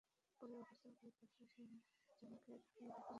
পরে অবস্থার অবনতি হলে শাহজাহানকে ঢাকা মেডিকেল কলেজ হাসপাতালে পাঠানো হয়।